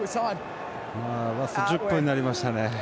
ラスト１０分になりましたね。